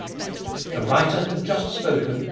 THE writer had just spoken (ii.